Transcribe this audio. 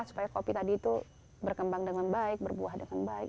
supaya kopi tadi itu berkembang dengan baik berbuah dengan baik